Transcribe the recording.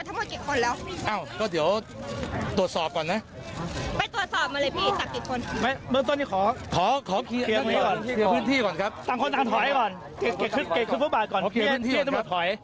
แต่ว่าตรงนี้เราจะไม่จับเพิ่ม